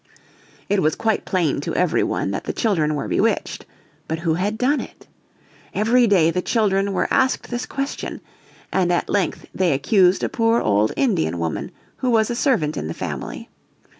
It was quite plain to every one that the children were bewitched. But who had done it? Every day the children were asked this question, and at length they accused a poor old Indian woman, who was a servant in the family.